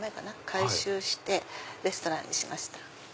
改修してレストランにしました。